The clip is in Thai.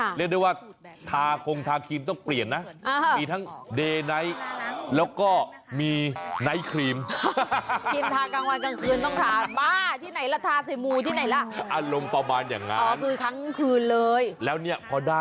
เรียกได้ว่าทางทางเครียมต้องเปลี่ยนนะ